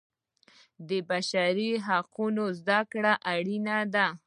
د بشري حقونو زده کړه اړینه ده.